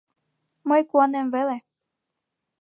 Мый куанем веле.